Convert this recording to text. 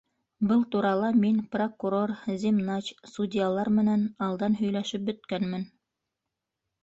Был турала мин прокурор, земнач, судьялар менән алдан һөйләшеп бөткәнмен.